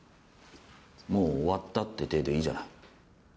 もう終わったって体でいいじゃない。